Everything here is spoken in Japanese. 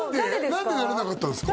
何でなれなかったんですか？